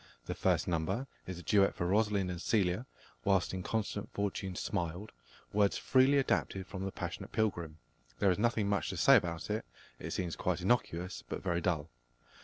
The first number is a duet for Rosalind and Celia, "Whilst inconstant fortune smiled," words freely adapted from The Passionate Pilgrim. There is nothing much to say about it: it seems quite innocuous, but very dull.